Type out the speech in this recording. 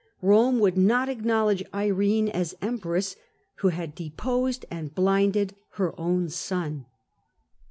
Eome would not acknowledge Irene as empress, who had deposed and blinded her own son.